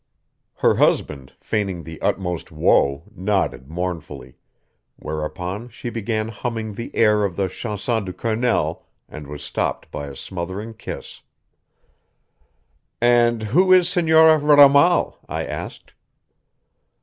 Her husband, feigning the utmost woe, nodded mournfully; whereupon she began humming the air of the Chanson du Colonel, and was stopped by a smothering kiss. "And who is the Senora Ramal?" I asked.